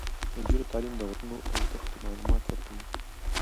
د نجونو تعلیم د غرونو او دښتو معلومات ورکوي.